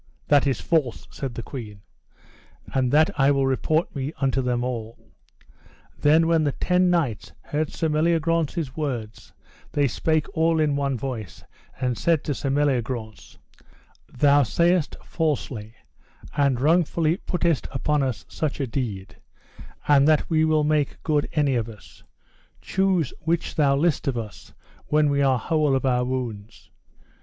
That is false, said the queen, and that I will report me unto them all. Then when the ten knights heard Sir Meliagrance's words, they spake all in one voice and said to Sir Meliagrance: Thou sayest falsely, and wrongfully puttest upon us such a deed, and that we will make good any of us; choose which thou list of us when we are whole of our wounds.